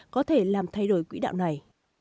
có thể làm thay đổi quỹ đạo này